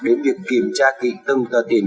đến việc kiểm tra kỹ tâm tờ tiền